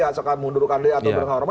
atau sekalian mundurkan dia atau berhormat